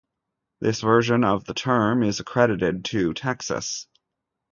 This version of the term is accredited to Texas.